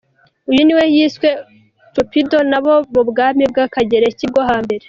Uyu niwe yiswe Cupidon n’abo mu bwami bw’ Abagereki bwo hambere.